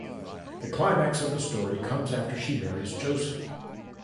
The climax of the story comes after she marries Joseph.